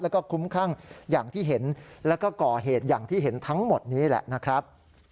แล้วก็คุ้มครั่งอย่างที่เห็นแล้วก็ก่อเหตุอย่างที่เห็นทั้งหมดนี้แหละนะครับ